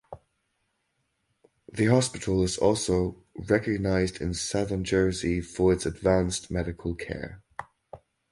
The hospital is also "Recognized in Southern Jersey" for its advanced medical care.